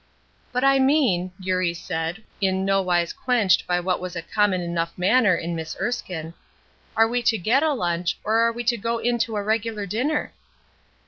"But I mean," Eurie said, in no wise quenched by what was a common enough manner in Miss Erskine, "are we to get a lunch, or are we to go in to a regular dinner?"